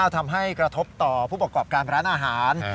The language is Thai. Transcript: ทำให้กระทบต่อผู้ประกอบการร้านอาหาร